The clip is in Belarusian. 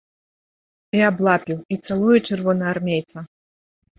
І аблапіў, і цалуе чырвонаармейца.